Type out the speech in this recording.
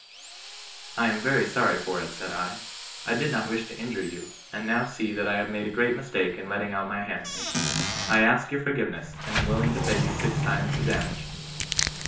I am very sorry for it, said I. I did not wish to injure you, and now see that I have made a great mistake in letting out my hens. I ask your forgiveness, and am willing to pay you six times the dan4e.